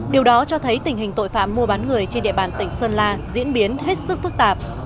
điều đó cho thấy tình hình tội phạm mua bán người trên địa bàn tỉnh sơn la diễn biến hết sức phức tạp